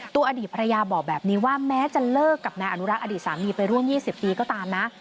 อดีตภรรยาบอกแบบนี้ว่าแม้จะเลิกกับนายอนุรักษ์อดีตสามีไปร่วม๒๐ปีก็ตามนะ